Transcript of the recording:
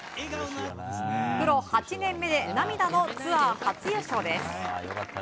プロ８年目で涙のツアー初優勝です。